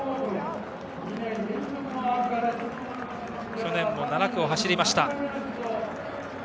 去年も７区を走りました。